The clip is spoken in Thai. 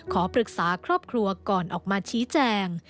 ขอปรึกษาครอบครัวก่อนออกมาชี้แจง